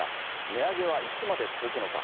値上げはいつまで続くのか。